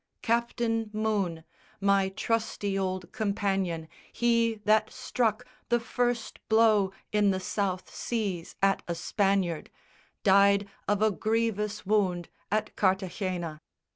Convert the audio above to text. Captain Moone, My trusty old companion, he that struck The first blow in the South Seas at a Spaniard, Died of a grievous wound at Cartagena.